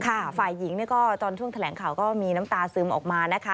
ฝ่ายหญิงเนี่ยก็ตอนช่วงแถลงข่าวก็มีน้ำตาซึมออกมานะคะ